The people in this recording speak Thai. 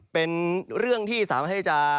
เป็นเรื่องที่สามารถให้จะ